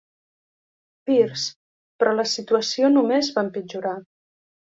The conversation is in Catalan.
Pierce, però la situació només va empitjorar.